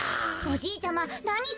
おじいちゃまなに？